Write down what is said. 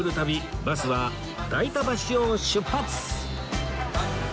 バスは代田橋を出発！